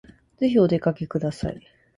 ぜひお出かけください